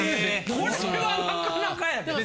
これはなかなかやで。